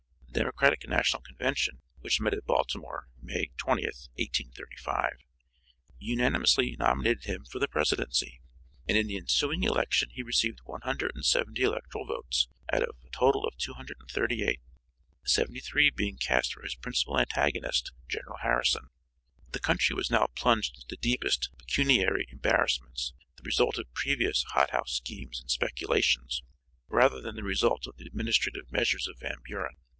The Democratic National Convention, which met at Baltimore May 20th, 1835, unanimously nominated him for the presidency, and in the ensuing election he received 170 electoral votes out of a total of 283, 73 being cast for his principal antagonist, General Harrison. The country was now plunged into the deepest pecuniary embarrassments, the result of previous hot house schemes and speculations, rather than the result of the administrative measures of Van Buren.